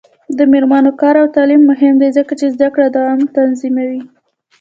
د میرمنو کار او تعلیم مهم دی ځکه چې زدکړو دوام تضمینوي.